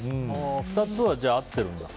２つは合ってるんだ。